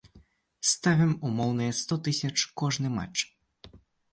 Ставім умоўныя сто тысяч кожны матч.